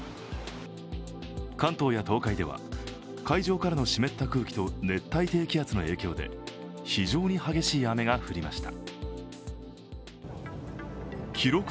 関東や東海では、海上からの湿った空気と熱帯低気圧の影響で非常に激しい雨が降りました。